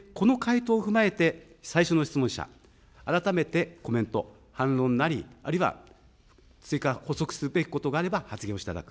この回答を踏まえて、最初の質問者、改めてコメント、反論なり、あるいは追加、補足するべきことがあれば発言をしていただく。